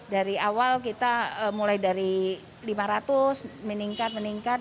dari awal kita mulai dari lima ratus meningkat meningkat